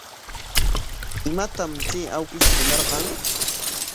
¿Imatam chay awkish munarqan?